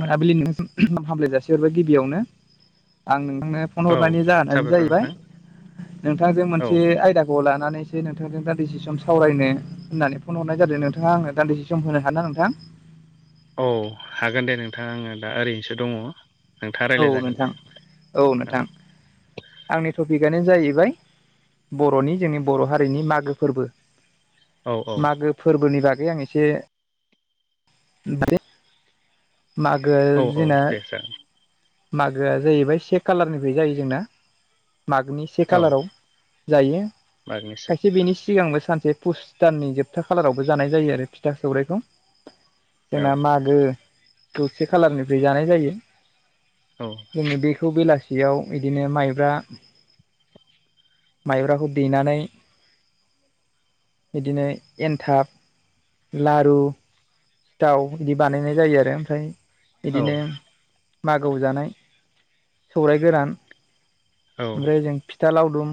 मोनाबिलिनि गाहाम हामलाय जासिहरबाय गिबियावनो आं नोंथांनो फन औ हरनायनि जाहोनानो साबायखर जाहैबाय नोंथां नोंथांजों औ मोनसे आयदा खौ लानानैसो नोंथांजों दान्दिसे सम सावरायनो होननानै फन हरनाय जादों नोंथाङा आङो दान्दिसे सम होनो हागोनना नोंथां? औ हागोन दे नोंथां आङो दा ओरैनोसो दङ। नोंथाङा औ रायज्लाय जागोन दे नोंथां औ नोंथां। आंनि टपिकआनो जाहैबाय बर'नि जोंनि बर' हारिनि मागो फोरबो। औ औ मागो फोरबोनि बागै आं एसे बे मागो औ औ जोंना दे जागोन मागोआ जाहैबाय से खालारनिफ्राय जायो जोंना मागोनि से औ खालाराव जायो बागनिसै खायसे बेनि सिगांबो सानसे पुस दाननि जोबथा खालारावबो जानाय जायो आरो फिथा सौराइखौ औ जोंना मागो से खालारनिफ्राय जानाय जायो। औ जोङो बेखौ बेलासियाव इदिनो माइब्रा माइब्राखौ देनानै बिदिनो एनथाब लारु दाव बिदि बानायनाय जायो आरो ओमफ्राय औ बिदिनो मागो जानाय सौराय गोरान - औ। ओमफ्राय जों फिथा लावदुम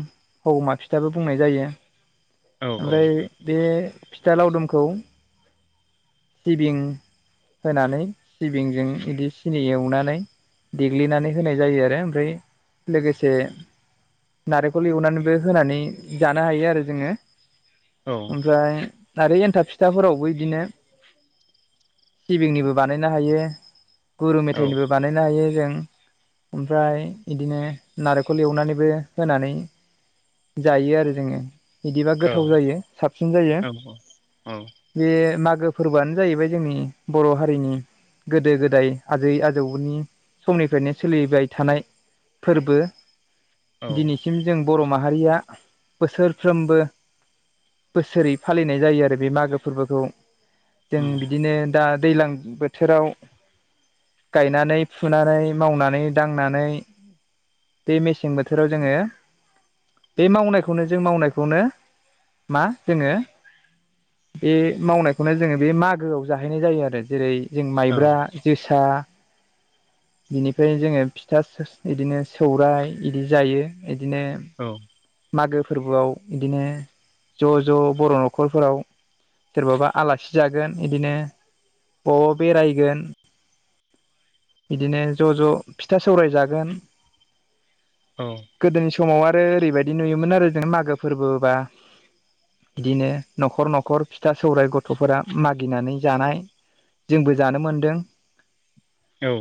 हौमा फिथाबो बुंनाय जायो औ ओमफ्राय बे फिथा लावदुमखौ सिबिं होनानै सिबिंजों इदि सिनि एवनानै- देग्लिनानै होनाय जायो आरो ओमफ्राय लोगोसे नारेंखल एवनानैबो होनानै जानो हायो आरो जोङो। औ ओमफ्राय आरो एन्थाब फिथाफोरावबो बिदिनो। सिबिंनिबो बानायनो हायो गुरु मेथायाइनिबो बानायनो हायो जों ओमफ्राय बिदिनो नारेंखल एवनानैबो होनानै जायो आरो जोङो बिदिबा औ गोथाव जायो साबसिन जायो। औ बे मागो फोरबोआनो जाहैबाय जोंनि बर' हारिनि। गोदो गोदाय आजै आजौनि समनिफ्रायनो सोलिबाय थानाय फोरबो उम दिनैसिम जों बर' माहारिया बोसोरफ्रोमबो बोसोरै फालिनाय जायो आरो बे मागो फोरबोखौ। जों बिदिनो दा दैज्लां बोथोराव गायनानै फुनानै मावनानै दांनानै बे मेसें बोथोराव जोङो बे मावनायखौनो जों मावनायखौनो मा जोङो - बे मावनायखौनो जोङो बे मागोआव जाहैनाय जायो आरो जेरै जों औ माइब्रा। जोसा बिनिफ्राय जोङो फिथा बिदिनो सौराइ बिदि जायो बिदिनो। औ मागो फोरबोआव बिढंदिनो ज' ज' बर' न'खरफोराव सोरबाबा आलासि जागोन बिदिनो बबावबा बेरायगोन बिदिनो ज' ज' फिथा सौराय जागोन। औ गोदोनि समाव आरो ओरैबायदि नुयोमोन आरो जों मागो फोरबोबा। बिदिनो न'खर न'खर फिथा सौ राय गथ'फोरा मागिनानै जानाय। जोंबो जानो मोनदों औ।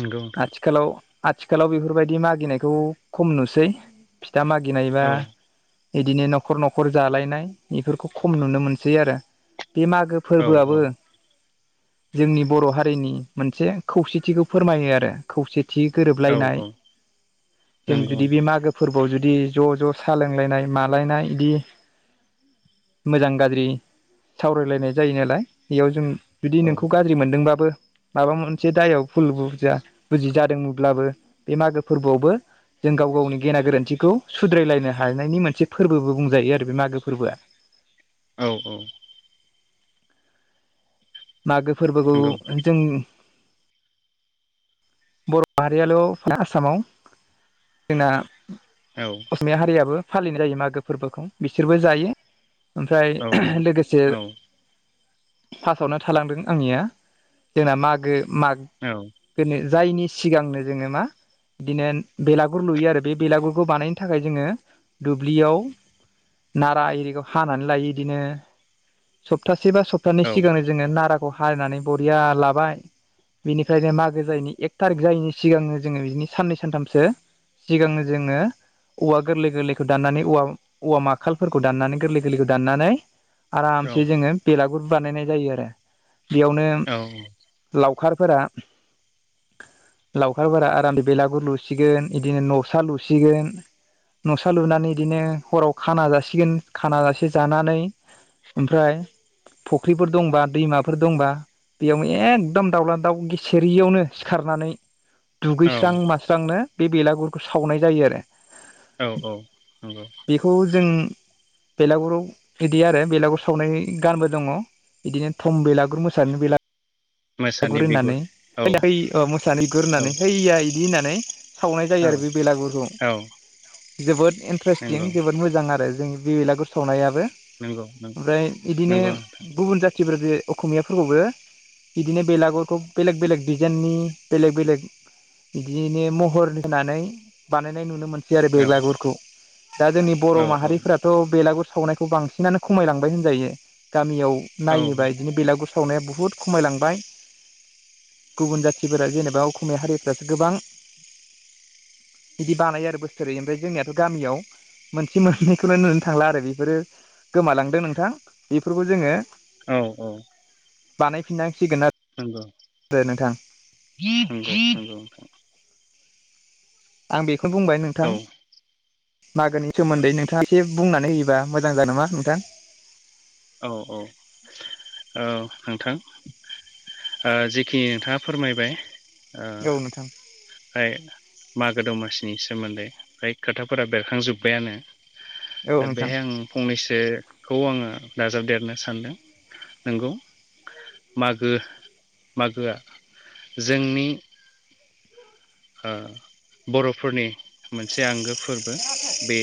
नंगौ नोंथां आथिखालाव आथिखालाव बेफोरबायदि मागिनायखौ खम नुसै फिथा मागिनायबा औ बिदिनो न'खर न'खर जालायनाय बेफोरखौ खम नुनो मोनसै आरो बे मागो औ फोरबोआबो जोंनि बर' हारिनि मोनसे खौसेथिखौ फोरमायो आरो खौसेथि औ गोरोबलायनाय औ जों नंगौ जुदि बे नोंथां मागो फोरबोआव जुदि ज' ज' सा लोंलायनाय मालायनाय इदि मोजां गाज्रि सावरायलायनाय जायो नालाय बेयाव जों। जुदि नोंखौ गाज्रि मोनदोंबाबो माबा मोनसे दायाव फुल बुरजा। बुजि जादोंमोनब्लाबो बे मागो फोरबोआवलबो। जों गाव गावनि गेना गोरोन्थिखौ सुद्रायलायनो हानायनि मोनसे फोरबोबो बुंजायो आरो बे मागो फोरबोआ। औ औ मागो फोरबोखौ नंगौ नोंथां। जों बर' माहारियाल' आसामाव जोंना। औ असमिया हारियाबो फालिनाय जायो मागो फोरबोखौ बिसोरबो जायो ओमफ्राय औ लोगोसे। औ फार्स्टआवनो थालांदों आंनिया जोंना मागो माग औ। गोनो जायनि सिगांनो जोङो मा बिदिनो बेलागुर लुयो आरो बे बेलागुरखौ बानायनो थाखाय जोङो दुब्लियाव नारा इरिखौ हानानै लायो इदिनो सप्तासे बा सप बिफोरनि सिगांनो जोङो नाराखौ हारिनानै बरिया लाबाय बिनिफ्रायनो मागो जायिनि एक थारिक जायैनि सिगांनो जोङो बिदिनो साननै सानथामसो सिगांनो जोङो औवा गोरलै गोरलैखौ दाननानै औवा औवा माखालफोरखौ दाननानै गोरलै गोरलैखौ दाननानै आरामसे औ जोङो बेलागुर बानायनाय जायो आरो। बेयावनो औ लावखारफोरा लावखारफोरा आराम बेलागुर लुसिगोन बिदिनो न'सा लुसिगोन, न'सा लुनानै बिदिनो हराव खाना जासिगोन। खाना जासे जानानै ओमफ्राय फुख्रिफोर दंबा, दैमाफोर दंबा बेयावनो एखदम दाउला दाउ गेसेेरियावनो सिखारनानै दुगैस्रां औ मास्रांनो बे बेलागुरखौ सावनाय जायो आरो। औ औ नंगौ। बेखौ जों बेलागुराव बिदि आरो बेलागुर सावनाय गानबो दङ। बिदिनो थम बेलागुर मोसानि बेला मोसानि गुर होननानै, बिगुर औ है है मोसानि औ गुरनानै हैया बिदि होननानै सावनाय जायो औ आरो बे बेलागुरखौ औ जोबोद इन्ट्रेस्टिं नंगौ जोबोद मोजां आरो जों बे बेलागुर सावनायाबो। नंगौ ओमफ्राय बिदिनो नंगौ गुबुन जाथिफोरखौ अक'मिया फोरखौबो बिदिनो बेलागुरखौ बेलेग बेलेग डिजेइननि बेलेग बेलेग बिदिनो महर होनानै बानायनाय नुनो मोनो सियार नोंथां बेलागुरखौ। दा जोंनि बर' औ माहारिफ्रा थ' बेलागुर सावनायखौ बांसिनानो खमायलांबाय होनजायो, गामियाव औ नायोबा बिदिनो बेलागुर सावनाया बुहुद खमायलांबाय। गुबुन जाथिफोरा जेनेबा असमिया हारिफ्रासो गोबां बिदि बानायो आरो बोसोरै। ओमफ्राय जोंनियाथ' गामियाव मोनसे मोननैखौल' नुनो थांला आरो बेफोरो गोमालांदों नोंथां। बेफोरखौ जोङो औ औ। बानायफिननांसिगोन आरो। नंगौ नोंथां नंगौ नंगौ नोंथां। आं बेखौनो बुंबाय नोंथां। मागोनि सोमोन्दै नोंथाङा एसे बुंनानै होयोबा मोजां जागोन नामा नोंथां। औ औ ओ नोंथां ओ जिखिनि नोंथाङा फोरमायबाय ओ औ नोंथां बे मागो दमसिनि सोमोन्दै फ्राय खोथाफोरा बेरखांजोब्बायानो। औ दा नोंथां बेहाय आं फंनैसोखौ आङो दाजाबदेरनो सानदों। नंगौ मागो मागोआ जोंनि ओ बर'फोरनि मोनसे आंगो फोरबो, बे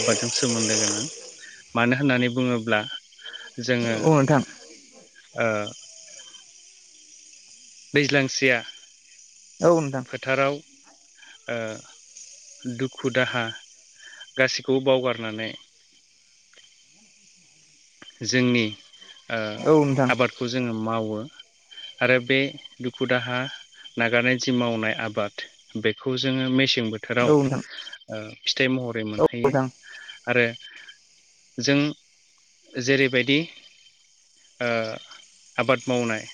आबादजों सोमोन्दो गोनां। मानो होननानै बुङोब्ला जोङो औ नोंथां ओ दैज्लांसेया औ नोंथां। फोथाराव ओ दुखु दाहा गासैखौबो बावगारनानै जोंनि ओ औ नोंथां आबादखौ जोङो मावो। आरो बे दुखु दाहा नागारना जि मावनाय आबाद, बेखौ जोङो मेसें बोथोराव औ नोंथां औ नोंथां फिथाइ महरै औ मोनहैयो। नोंथां आरो जों जेरैबायदि आबाद मावनाय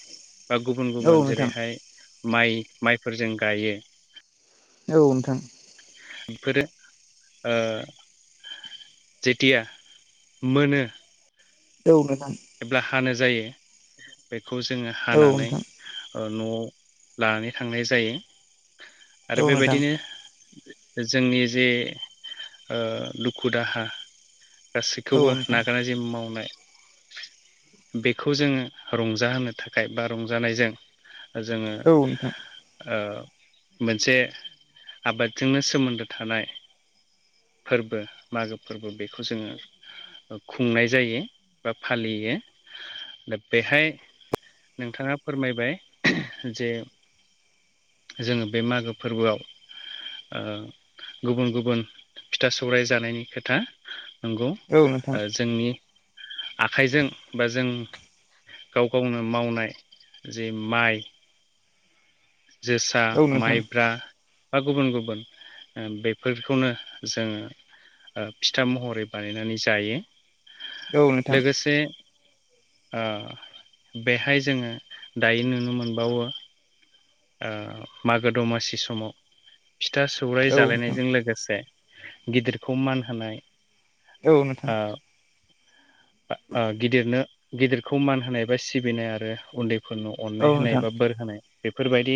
बा गुबुन औ गुबुन नोंथां जेरैहाय माइ माइफोरजों गायो। औ नोंथां। बेफोरो ओ जेथिया मोनो औ नोंथां। जेब्ला हानो जायो बेखौ जोङो हानानै औ न'आव लानानै थांनाय जायो। आरो नोंथां बेबायदिनो जोंनि जे ओ दुखु दाहा गासैखौबो नागारनाय जिम मावनाय बेखौ जोङो रंजाहोनो थाखाय बा रंजानायजों जोङो औ नोंथां औ नोंथां औ ओ मोनसे आबादजोंनो सोमोन्दो थानाय फोरबो मागो फोरबो बेखौ जोङो खुंनाय जायो। बा फालियो दा बेहाय नोंथाङा फोरमायबाय जे जोङो बे मागो फोरबोआव ओ गुबुन गुबुन फिथा सौराय जानायनि खोथा नंगौ नोंथां जोंनि आखाइजों बा जों गाव गावनो मावनाय जे माइ जोसा औ नोंथां औ नोंथां माइब्रा बा गुबुन गुबुन बेफोरखौनो जोङो फिथा महरै बानायनानै जायो औ ओ लोगोसे ओ बेहाय जोङो दायो नुनो मोनबावो मागो दमासि समाव फिथा सौराइ जालायनायजों लोगोसे गिदिरखौ मान होनाय नोंथां ओ गिदिरनो गिदिरखौ मान होनाय बा सिबिनाय आरो उन्दैफोरनाव औ अननाय होनाय नोंथां बा बोर होनाय बेफोरबायदि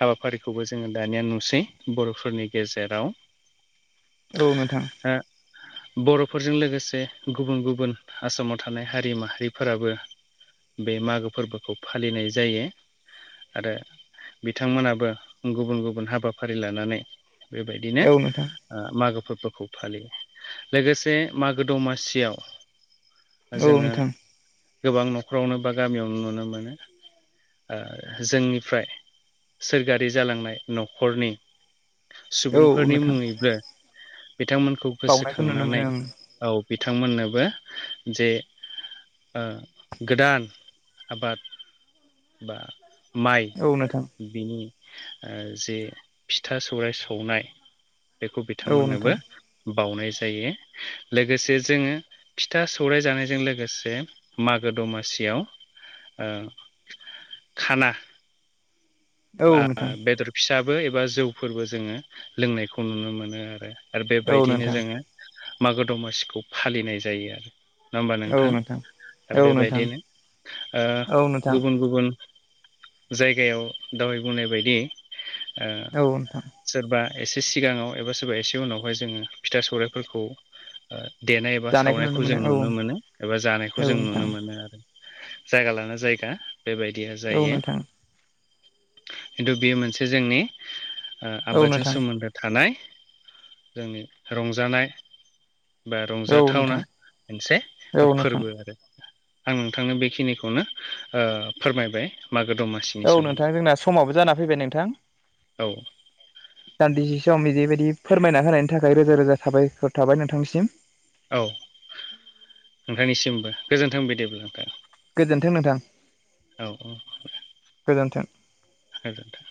हाबाफारिखौबो जोङो दानिया नुसै बर'फोरनि गेजेराव [inaudible] औ नोंथां ओ बर'फोरजों लोगोसे गुबुन गुबुन आसामाव थानाय हारि माहारिफोराबो बे मागो फोरबोखौ फालिनाय जायो आरो बिथांमोनाबो गुबुन गुबुन हाबाफारि लानानै बेबायदिनो औ नोंथां मागो फोरबोखौ फालियो लोगोसे मागो दमासियाव औ जोङो नोंथां गोबां न'खरावनो बा गामियावनो नुनो मोनो। जोंनिफ्राय सोरगोयारि जालांनाय न'खरनि औ सुबुंफोरनि नोंथां मुङैबो बिथांमोनखौ बावनायखौ नुनो मोनो गोसोखांनानै ओं औ बिथांमोननोबो जे गोदान आबाद बा माइ औ नोंथां बिनि जे फिथा सौराय सौनाय बेखौ औ नोंथां बिथांमोननोबो बावनाय जायो लोगोसे जोङो फिथा सौराय जानायजों लोगोसे मागो दमासियाव ओ खाना औ नोंथां बेदर फिसाबो एबा जौफोरबो जोङो लोंनायखौ नुनो मोनो आरो। आरो औ बेबायदिनो नोंथां जोङो मागो दमासिखौ फालिनाय जायो आरो नङबा नोंथां ओ औ नोंथां बेबायदिनो ओ औ नोंथां गुबुन गुबुन जायगायाव दवाय बुंनाय बायदि ओ औ नोंथां सोरबा एसे सिगाङाव एबा सोरबा एसे उनावहाय जोङो फिथा सौराइफोरखौ देनाय एबा जानायखौ सावनायखौ मोनो जों औ नुनो मोनो एबा औ जानायखौ जों नुनो नोंथां मोनो आरो जायगा लाना जायगा बेबायदिया औ जायो। नोंथां खिन्थु बेयो मोनसे जोंनि औ नोंथां औ आबादजों नोंथां सोमोन्दो थानाय जोंनि रंजानाय बा औ रंजाथावना नोंथां मोनसे औ नोंथां फोरबो आरो आं नोंथांनो बेखिनिखौनो फोरमायबाय मागो दमासि औ नोंथां जोंना समावबो जाना फैबाय नोंथां औ दान्दिसे सम बिदिबायदि फोरमायना होनायनि थाखाय रोजा रोजा साबायखर थाबाय नोंथांनिसिम औ नोंथांनिसिमबो गोजोन्थों बिदिब्ला नोंथां। गोजोन्थों नोंथां। औ औ गोजोन्थों [unintelligible]